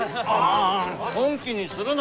ああ本気にするな！